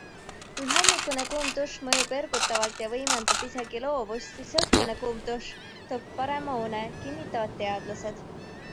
Kui hommikune kuum dušš mõjub ergutavalt ja võimendab isegi loovust, siis õhtune kuum dušš toob parema une, kinnitavad teadlased.